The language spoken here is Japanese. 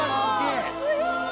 すごい！